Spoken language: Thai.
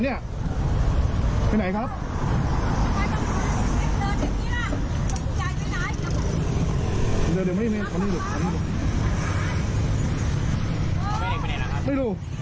เดินไปนี่